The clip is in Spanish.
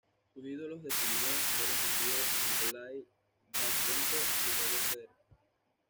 Sus ídolos de su niñez fueron su tío, Nikolái Davydenko y Roger Federer.